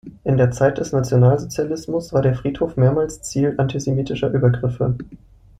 In der Zeit des Nationalsozialismus war der Friedhof mehrmals Ziel antisemitischer Übergriffe.